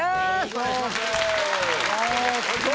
お願いします！